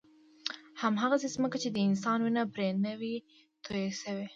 هغسې ځمکه چې د انسان وینه پرې نه وي تویه شوې.